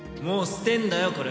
もう捨てるんだよ